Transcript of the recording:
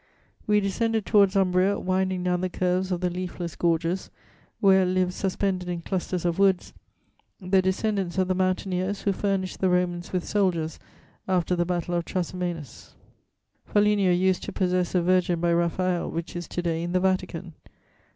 We descended towards Umbria, winding down the curves of the leafless gorges, where live suspended in clusters of woods the descendants of the mountaineers who furnished the Romans with soldiers after the Battle of Trasimenus. "Foligno used to possess a Virgin by Raphael which is to day in the Vatican.